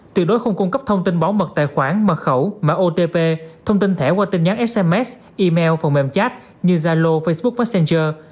tuyệt đối không cung cấp thông tin bóng mặt tài khoản mật khẩu mạng otp thông tin thẻ qua tin nhắn sms email phần mềm chat như zalo facebook messenger